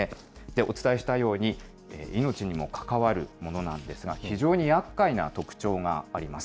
お伝えしたように、命にも関わるものなんですが、非常にやっかいな特徴があります。